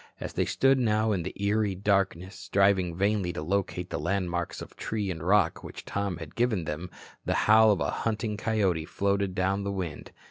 As they stood now in the eerie darkness, striving vainly to locate the landmarks of tree and rock which Tom had given them, the howl of a hunting coyote floated down the wind.